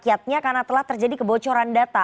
karena rakyatnya karena telah terjadi kebocoran data